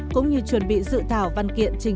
cũng như chuẩn bị dự thảo văn kiện